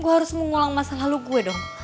gue harus mengulang masa lalu gue dong